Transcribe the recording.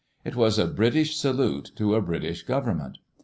It was a British salute to a British government.